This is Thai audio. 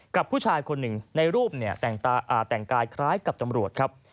กับผู้ชายคนหนึ่งในรูปแต่งกายคล้ายกับตำรวจครับ